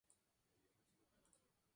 Tras su caída, la situación se radicalizó.